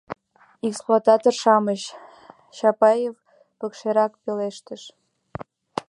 — Иксплататыр-шамыч, — Чапаев пыкшерак пелештыш.